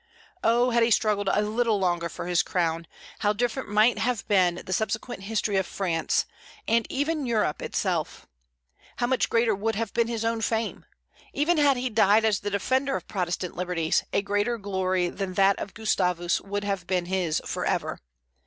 Oh, had he struggled a little longer for his crown, how different might have been the subsequent history of France, and even Europe itself! How much greater would have been his own fame! Even had he died as the defender of Protestant liberties, a greater glory than that of Gustavus would have been his forever.